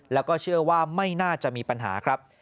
แล้วก็เชื่อว่าไม่น่าจะมีปัญหาครับ